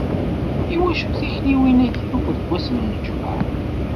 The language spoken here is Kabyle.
I wacu tikliwin-agi akk deg wass n lǧemεa?